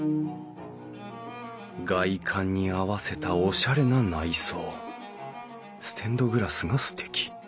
外観に合わせたオシャレな内装ステンドグラスがすてき。